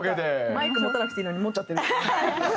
マイク持たなくていいのに持っちゃってる。